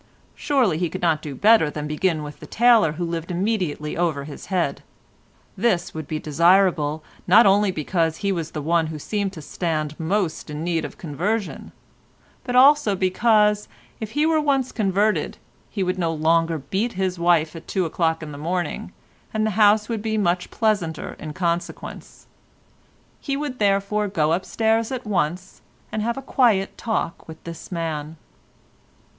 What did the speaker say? Surely he could not do better than begin with the tailor who lived immediately over his head. This would be desirable, not only because he was the one who seemed to stand most in need of conversion, but also because, if he were once converted, he would no longer beat his wife at two o'clock in the morning, and the house would be much pleasanter in consequence. He would therefore go upstairs at once, and have a quiet talk with this man.